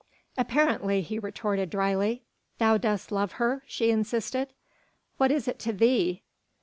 "Apparently," he retorted dryly. "Thou dost love her?" she insisted. "What is it to thee?"